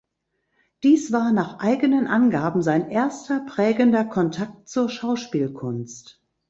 Dies war nach eigenen Angaben sein erster prägender Kontakt zur Schauspielkunst.